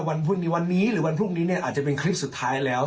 พรุ่งนี้วันนี้หรือวันพรุ่งนี้เนี่ยอาจจะเป็นคลิปสุดท้ายแล้ว